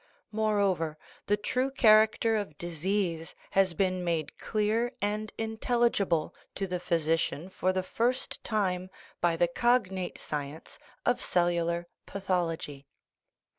Moreover, the true character of disease has been made clear and intelligible to the physician for the first time by the cognate science of Cellular Pathology.